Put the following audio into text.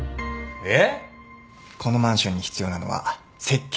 えっ？